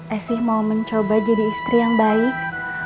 esi mau mencoba jadi istri yang baik